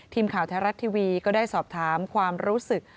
ทีมข่าวแท้รัฐทีวีก็ได้สอบถามความรู้สึก